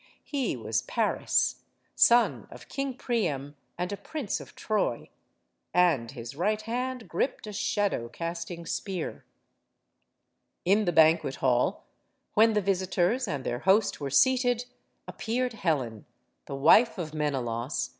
He was Paris, son of King Priam, and a prince of Troy. And his right hand gripped a shadow casting spear. In the banquet hall, when the visitors and their host were seated, appeared Helen, the wife of Menelaus.